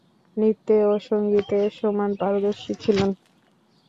নৃত্যে ও সঙ্গীতে সমান পারদর্শী ছিলেন।